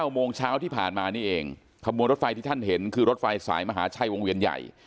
โมงเช้าที่ผ่านมานี่เองขบวนรถไฟที่ท่านเห็นคือรถไฟสายมหาชัยวงเวียนใหญ่